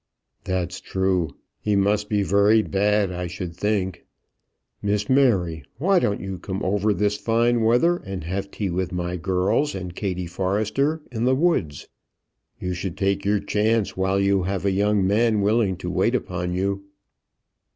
"That's true. He must be very bad, I should think. Miss Mary, why don't you come over this fine weather, and have tea with my girls and Kattie Forrester in the woods? You should take your chance while you have a young man willing to wait upon you."